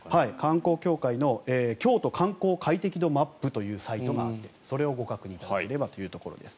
観光協会の京都観光快適度マップというサイトがあってそれをご確認いただければというところです。